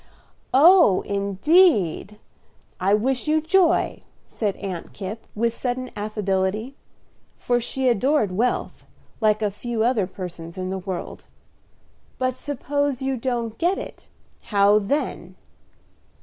"Oh, indeed! I wish you joy," said Aunt Kipp, with sudden affability; for she adored wealth, like a few other persons in the world. "But suppose you don't get it, how then?"